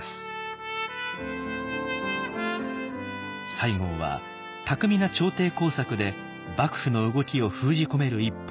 西郷は巧みな朝廷工作で幕府の動きを封じ込める一方